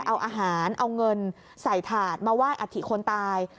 เอาอาหารเอาเงินใส่ถาดมาไหว้อัฐิคนตาย